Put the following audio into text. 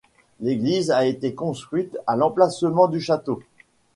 L'église a été construite à l'emplacement du château.